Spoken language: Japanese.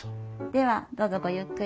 ではどうぞごゆっくり。